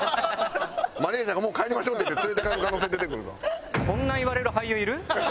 マネジャーが「もう帰りましょう」って言って連れて帰る可能性出てくるぞ。